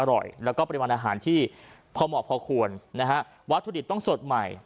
อร่อยแล้วก็ปริมาณอาหารที่พอเหมาะพอควรนะฮะวัตถุดิบต้องสดใหม่